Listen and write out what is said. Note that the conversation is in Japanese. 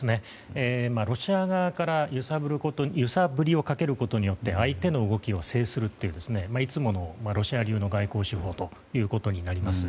ロシア側から揺さぶりをかけることによって相手の動きを制するといういつものロシア流の外交手法ということになります。